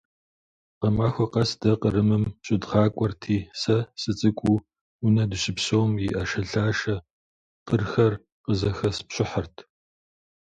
Гъэмахуэ къэс дэ Кърымым щыдгъакӏуэрти, сэ сыцӏыкӏуу, унэ дыщыпсэум и ӏэшэлъашэ къырхэр къызэхэспщыхьырт.